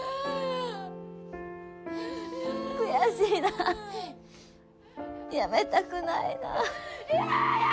悔しいなあやめたくないなあ。